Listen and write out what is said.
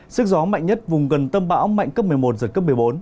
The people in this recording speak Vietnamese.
sức gió mạnh nhất vùng gần tâm bão mạnh cấp một mươi một giật cấp một mươi bốn